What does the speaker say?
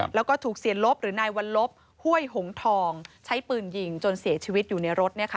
แล้วก็ถูกเสียลบหรือนายวัลลบห้วยหงทองใช้ปืนยิงจนเสียชีวิตอยู่ในรถ